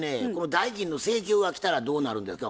代金の請求が来たらどうなるんですか？